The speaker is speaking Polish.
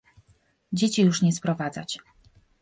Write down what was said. "Dzieci już nie sprowadzać."